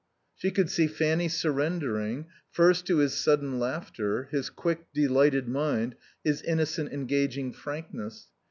She could see Fanny surrendering, first to his sudden laughter, his quick, delighted mind, his innocent, engaging frankness.